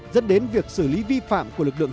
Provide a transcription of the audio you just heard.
dẫn đến việc xử lý vi phạm của lực lượng